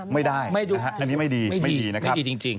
ไม่ได้ไม่ดีไม่ดีไม่ดีจริง